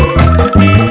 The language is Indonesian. untuk ini tidak sih